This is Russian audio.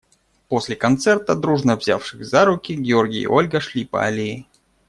После концерта, дружно взявшись за руки, Георгий и Ольга шли по аллее.